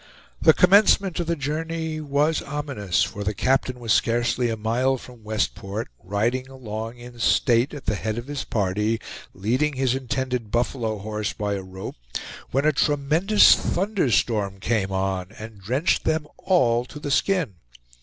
The commencement of the journey was ominous, for the captain was scarcely a mile from Westport, riding along in state at the head of his party, leading his intended buffalo horse by a rope, when a tremendous thunderstorm came on, and drenched them all to the skin.